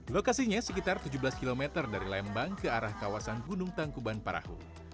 lokasinya sekitar tujuh belas km dari lembang ke arah kawasan gunung tangkuban parahu